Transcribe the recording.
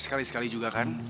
sekali sekali juga kan